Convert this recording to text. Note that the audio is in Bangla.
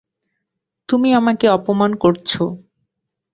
তুমি আমাকে অপমান করছো।